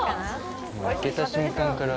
開けた瞬間から。